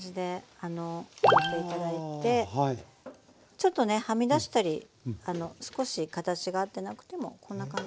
ちょっとねはみ出したり少し形が合ってなくてもこんな感じ。